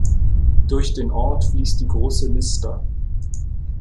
Durch den Ort fließt die Große Nister.